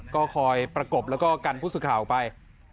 ก็คอยประกบแล้วก็กันผู้สื่อข่าวไป